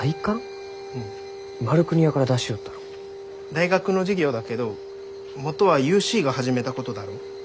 大学の事業だけどもとはユーシーが始めたことだろう？